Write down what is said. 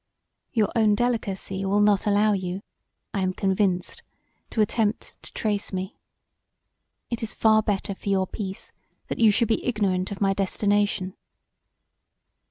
Your own delicacy will not allow you, I am convinced, to attempt to trace me. It is far better for your peace that you should be ignorant of my destination.